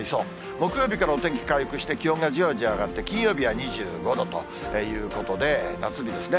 木曜日からお天気回復して、気温がじわじわ上がって、金曜日は２５度ということで、夏日ですね。